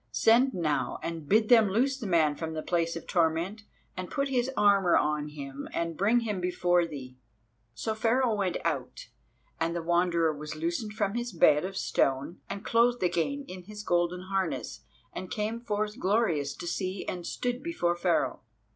Send now and bid them loose the man from the place of torment, and put his armour on him and bring him before thee." So Pharaoh went out, and the Wanderer was loosed from his bed of stone and clothed again in his golden harness, and came forth glorious to see, and stood before Pharaoh.